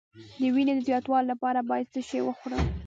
د وینې د زیاتوالي لپاره باید څه شی وخورم؟